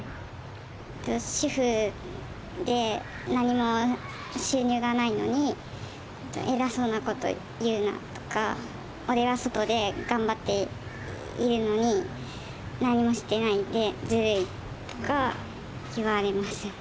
「主婦で何も収入がないのに偉そうなこと言うな」とか「俺は外で頑張っているのに何もしてないでずるい」とか言われます。